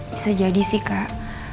bisa jadi sih kak